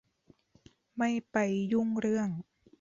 ไม่ไปยุ่งเรื่อง